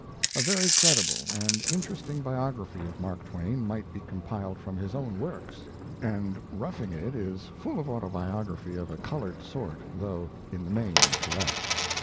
A very credible and interesting biography of Mark Twain might be compiled from his own works; and 'Roughing It' is full of autobiography of a coloured sort, though in the main correct.